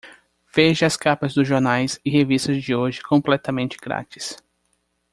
Veja as capas dos jornais e revistas de hoje completamente grátis.